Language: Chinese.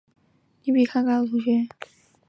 杨武之是数理部里年级比他高的同学。